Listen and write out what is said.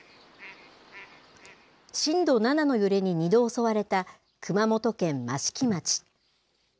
震度７の揺れに２度襲われた熊本県益城町。